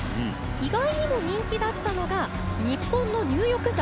意外にも人気だったのが日本の入浴剤。